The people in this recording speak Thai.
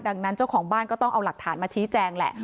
ดังนั้นเจ้าของบ้านก็ต้องเอาหลักฐานมาชี้แจงแหละ